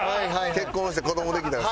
結婚して子どもできたら。